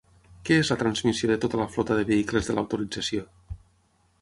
Què és la transmissió de tota la flota de vehicles de l'autorització?